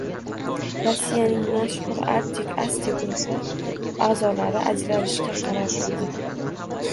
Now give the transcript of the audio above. Rossiyaning mashhur Artik & Asti guruhi a’zolari ajralishga qaror qildi